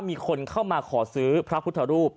มีคนเข้ามาขอซื้อพระพุทธรูป